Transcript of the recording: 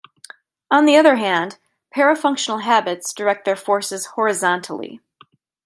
On the other hand, parafunctional habits direct their forces horizontally.